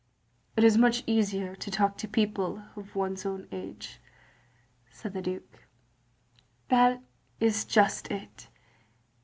"It is much easier to talk to people of one's own age, " said the Dtike. "That is just it.